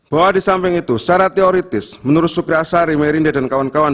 bahwa di samping itu secara teoritis menurut sukrasari merinda dan kawan kawan